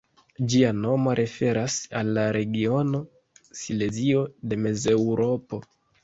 Ĝia nomo referas al la regiono Silezio de Mezeŭropo.